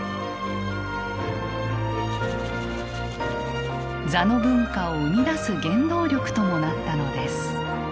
座の文化を生み出す原動力ともなったのです。